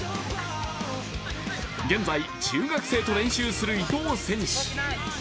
現在中学生と練習する伊藤選手。